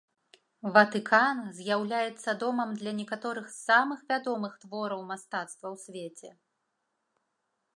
Ватыкан з'яўляецца домам для некаторых з самых вядомых твораў мастацтва ў свеце.